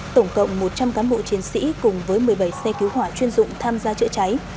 tổng cộng một trăm linh cán bộ chiến sĩ cùng với một mươi bảy xe cứu hỏa chuyên dụng tham gia chữa cháy